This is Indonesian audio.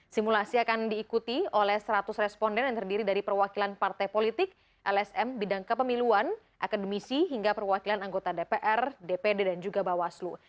simulasi akan diikuti oleh seratus responden yang terdiri dari perwakilan partai politik lsm bidang kepemiluan akademisi hingga perwakilan anggota dpr dpd dan juga bawaslu